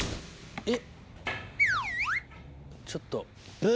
えっ？